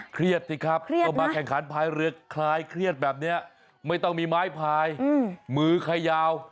สิครับก็มาแข่งขันภายเรือคลายเครียดแบบนี้ไม่ต้องมีไม้พายมือขยาว